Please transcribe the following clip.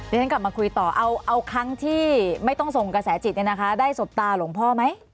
เข้ามาคุยต่อเอาครั้งที่ไม่ต้องส่งกระแสจิตยังนะคะได้สบตาหลวงพ่อไหม